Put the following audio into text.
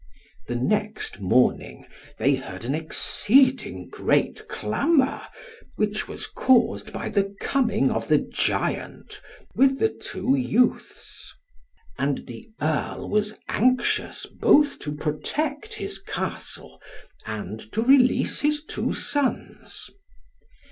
The next morning, they heard an exceeding great clamour, which was caused by the coming of the giant, with the two youths. And the Earl was anxious both to protect his Castle, and to release his two sons.